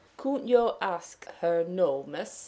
"Couldn't you ask her now, miss?